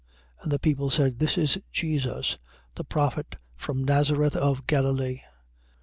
21:11. And the people said: This is Jesus, the prophet from Nazareth of Galilee.